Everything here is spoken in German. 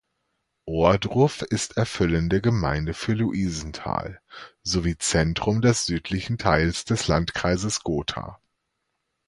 Ohrdruf ist erfüllende Gemeinde für Luisenthal, sowie Zentrum des südlichen Teils des Landkreises Gotha.